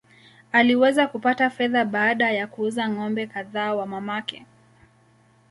Aliweza kupata fedha baada ya kuuza ng’ombe kadhaa wa mamake.